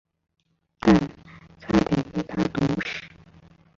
但差点被他毒死。